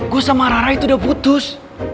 gue sama rara itu udah putus